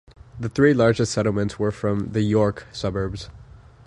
The three largest settlements were from the York suburbs.